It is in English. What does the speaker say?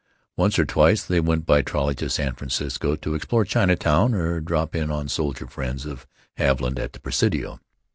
Once or twice they went by trolley to San Francisco, to explore Chinatown or drop in on soldier friends of Haviland at the Presidio.